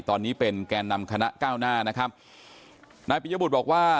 ตอนนี้เป็นแก่นำคณะก้าวหน้านะครับนายปิยบุตรบอกว่า